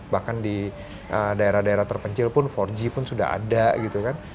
bahkan di daerah daerah terpencil pun empat g pun sudah ada gitu kan